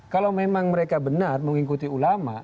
kalau memang mereka benar mengikuti ulama